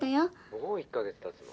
「もう１ヵ月たつの？